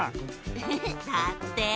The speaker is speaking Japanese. ウフフだって！